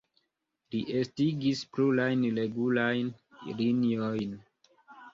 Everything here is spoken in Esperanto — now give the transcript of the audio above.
Li estigis plurajn regulajn liniojn.